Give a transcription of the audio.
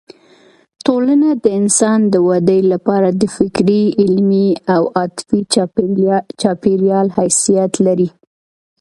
ټولنه د انسان د ودې لپاره د فکري، علمي او عاطفي چاپېریال حیثیت لري.